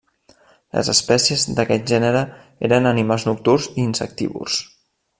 Les espècies d'aquest gènere eren animals nocturns i insectívors.